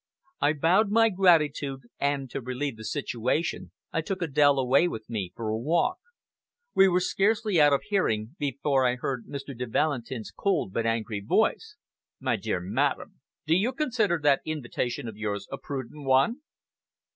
I bowed my gratitude, and, to relieve the situation, I took Adèle away with me for a walk. We were scarcely out of hearing, before I heard Mr. de Valentin's cold but angry voice. "My dear Madame, do you consider that invitation of yours a prudent one?